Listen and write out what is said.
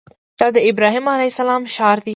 دا د ابراهیم علیه السلام ښار دی.